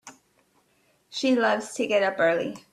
She loves to get up early.